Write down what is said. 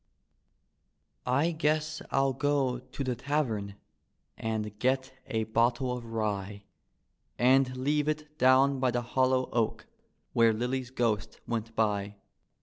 I guess I'll go to tlie tavern and get a bottle of rye And leave it down by the hollow oak, where Lilly's g^ost went by.